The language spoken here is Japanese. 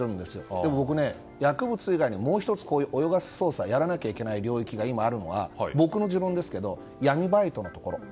でも僕、薬物以外にこういう泳がせ捜査をやらなきゃいけない領域があるのは、僕の持論ですが闇バイトのところ。